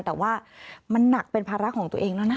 แต่ว่ามันหนักเป็นภาระของตัวเองแล้วนะ